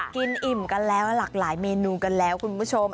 อิ่มกันแล้วหลากหลายเมนูกันแล้วคุณผู้ชม